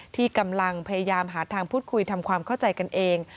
ที่กำลังพยายามหาทางพูดคุยทำความเข้าใจกันเอง